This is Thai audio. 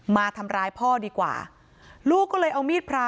มาทำร้ายพ่อดีกว่าลูกก็เลยเอามีดพระ